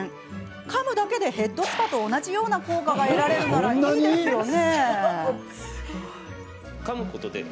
かむだけでヘッドスパと同じような効果が得られるならいいですよね。